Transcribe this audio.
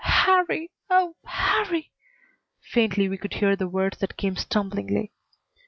"Harrie oh, Harrie!" Faintly we could hear the words that came stumblingly.